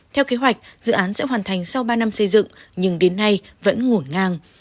theo kế hoạch dự án sẽ hoàn thành sau ba năm xây dựng nhưng đến nay vẫn ngổn ngang